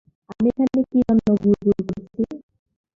আমি এখানে কী জন্য ঘুরঘুর করছি তাহলে?